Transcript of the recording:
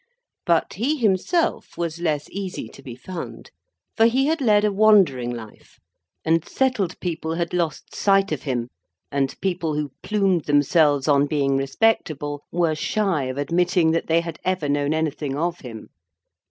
But, he himself was less easy to be found; for, he had led a wandering life, and settled people had lost sight of him, and people who plumed themselves on being respectable were shy of admitting that they had ever known anything of him.